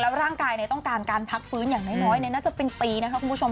ร่างกายต้องการการพักฟื้นอย่างน้อยน่าจะเป็นปีนะคะคุณผู้ชม